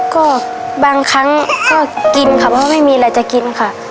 ก็บางครั้งก็กินค่ะเพราะไม่มีอะไรจะกินค่ะ